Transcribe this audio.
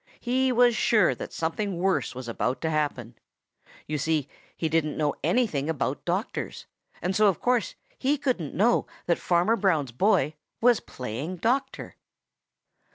He was sure that something worse was about to happen. You see, he didn't know anything about doctors, and so of course he couldn't know that Farmer Brown's boy was playing doctor.